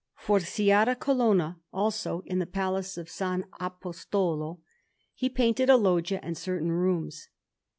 For Sciarra Colonna, also, in the Palace of S. Apostolo, he painted a loggia and certain rooms.